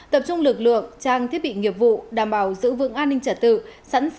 tập trung lực lượng trang thiết bị nghiệp vụ đảm bảo giữ vững an ninh trả tự sẵn sàng cơ động khi có tình huống xảy ra